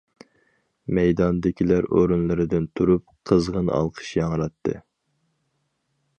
مەيداندىكىلەر ئورۇنلىرىدىن تۇرۇپ، قىزغىن ئالقىش ياڭراتتى.